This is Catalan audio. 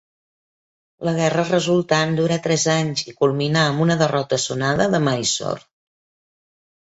La guerra resultant durà tres anys i culminà amb una derrota sonada de Mysore.